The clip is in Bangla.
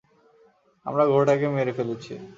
আমরা গ্রহটাকে মেরে ফেলেছি!